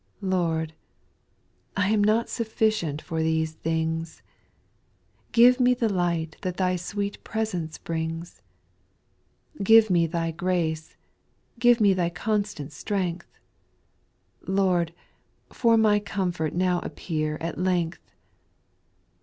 SPIRITUAL SONGS. 239 5. Lord ! I am not sufficient for these things ; Give me the light that Thy sweet presence brings ; Give me Thy grace, give me Thy constant strength — Lord 1 for my comfort now appear at length.